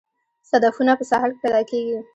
صدفونه په ساحل کې پیدا کیږي